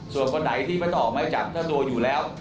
ส่วนคนไหนที่ไม่ต้องออกมาจากเจ้าตัวอยู่แล้ว